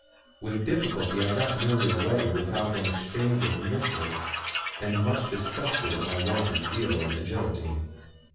With difficulty I got Milly away without an exchange of missiles, and much disgusted at my want of zeal and agility.